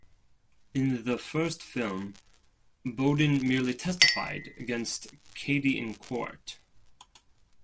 In the first film, Bowden merely testified against Cady in court.